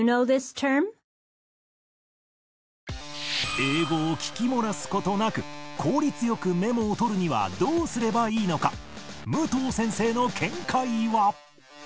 英語を聴き漏らす事なく効率良くメモを取るにはどうすればいいのかえ！